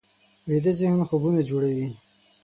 ویده ذهن خوبونه جوړوي